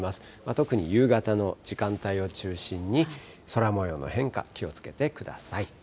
特に夕方の時間帯を中心に、空もようの変化、気をつけてください。